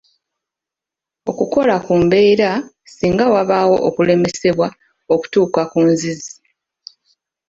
Okukola ku mbeera singa wabaawo okulemesebwa okutuuka ku nzizi.